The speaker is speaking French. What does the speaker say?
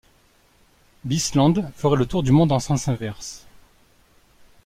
Bisland ferait le tour du monde en sens inverse.